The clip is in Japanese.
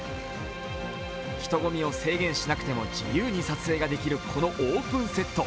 人混みを制限しなくても自由に撮影ができるこのオープンセット。